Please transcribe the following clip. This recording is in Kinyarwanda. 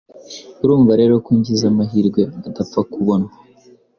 Urumva rero ko ngize amahirwe adapfa kubonwa